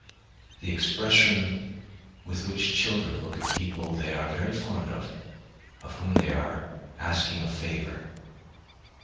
The expression with which children look at people they are very fond of, of whom they are asking a favour.